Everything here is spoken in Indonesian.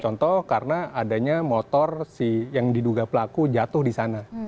contoh karena adanya motor si yang diduga pelaku jatuh di sana